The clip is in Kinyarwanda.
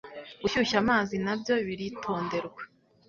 Gushyushya amazi nabyo biritonderwa